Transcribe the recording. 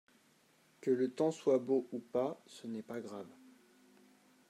Que le temps soit beau ou pas ce n'est pas grave.